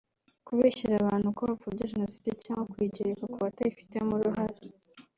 kubeshyera abantu ko bapfobya jenoside cyangwa kuyigereka kubatayifitemo uruhare